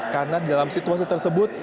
karena dalam situasi tersebut